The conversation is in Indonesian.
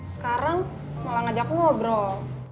sekarang malah ngajak ngobrol